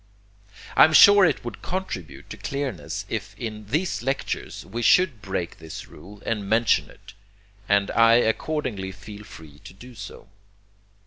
I am sure it would contribute to clearness if in these lectures we should break this rule and mention it, and I accordingly feel free to do so.